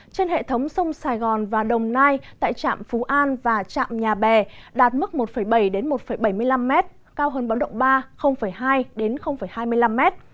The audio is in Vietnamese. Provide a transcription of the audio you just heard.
trên hệ thống sông sài gòn và đồng nai tại trạm phú an và trạm nhà bè đạt mức một bảy một bảy mươi năm m cao hơn báo động ba hai mươi năm m